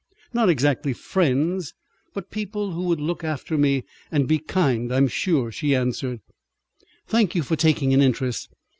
"Not exactly friends, but people who will look after me, and be kind, I'm sure," she answered. "Thank you for taking an interest.